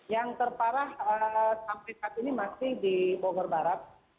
yang terparah sampai saat ini masih di bogor barat